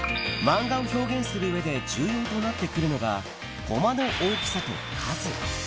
漫画を表現するうえで重要となってくるのが、コマの大きさと数。